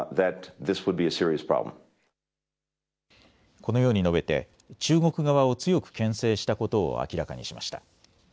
このように述べて中国側を強くけん制したことを明らかにしました。